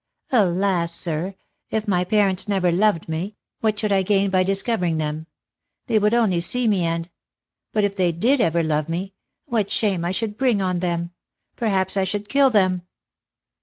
"Alas, sir! if my parents never loved me, what should I gain by discovering them? They would only see me and But if they did ever love me, what shame I should bring on them! Perhaps I should kill them!"